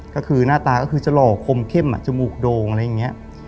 ก็คือหน้าตาก็คือจะหล่อคมเข้มจมูกโดงอะไรอย่างนี้